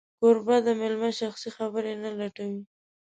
کوربه د مېلمه شخصي خبرې نه لټوي.